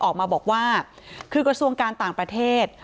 ออกมาบอกว่าคือกระทรวงการต่างประเทศ